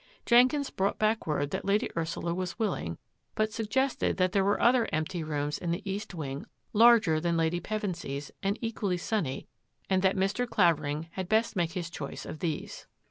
Jenkins brought back word that Lady Ursula was willing, but suggested that there were other empty rooms in the east wing larger, than Lady Pevensy's and equally sunny, and that Mr. Claver ing had best make his choice of these.